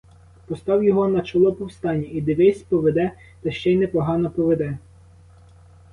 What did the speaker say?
Постав його на чоло повстання — і, дивись, поведе, та ще й непогано поведе.